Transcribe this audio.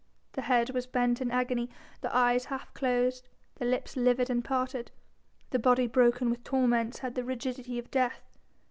The head was bent in agony, the eyes half closed, the lips livid and parted, the body broken with torments had the rigidity of death.